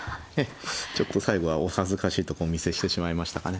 ちょっと最後はお恥ずかしいとこお見せしてしまいましたかね。